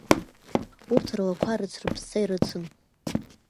Урҭ рлақәа рыцрыԥсса ирыцын.